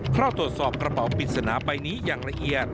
เข้าตรวจสอบกระเป๋าปริศนาใบนี้อย่างละเอียด